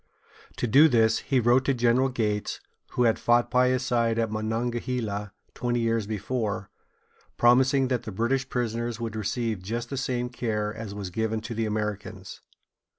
To do this, he wrote to General Gates, who had fought by his side at Monongahela twenty years before, promising that the British prisoners should receive just the same care as was given to the Americans.